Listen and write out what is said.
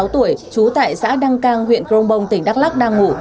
sáu tuổi trú tại xã đăng cang huyện cờ đông bông tỉnh đắk lắk đang ngủ